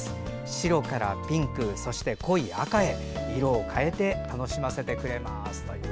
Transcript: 白からピンクそして濃い赤へ色を変えて楽しませてますという。